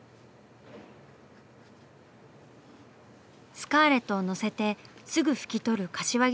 スカーレットをのせてすぐ拭き取る柏木さんの技。